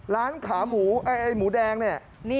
ร้านขาหมูไอ้หมูแดงเนี่ย